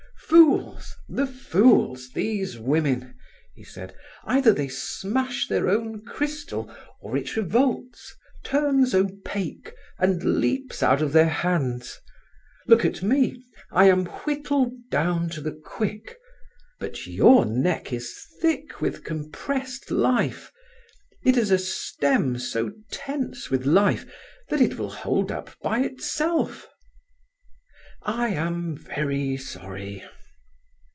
"Fools—the fools, these women!" he said. "Either they smash their own crystal, or it revolts, turns opaque, and leaps out of their hands. Look at me, I am whittled down to the quick; but your neck is thick with compressed life; it is a stem so tense with life that it will hold up by itself. I am very sorry."